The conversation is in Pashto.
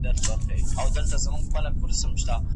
ډګر ته وځئ او له خلکو معلومات راټول کړئ.